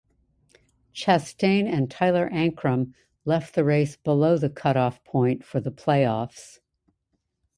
Chastain and Tyler Ankrum left the race below the cutoff point for the playoffs.